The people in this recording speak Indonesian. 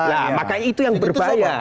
nah makanya itu yang berbahaya